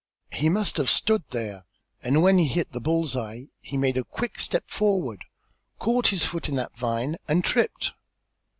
He must have stood there, and when he hit the bull's eye, he made a quick forward step, caught his foot in that vine and tripped.